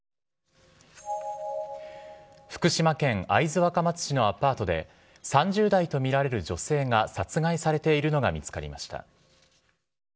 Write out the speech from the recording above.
福島県会津若松市のアパートで、３０代と見られる女性が殺害されているのが見つかりました。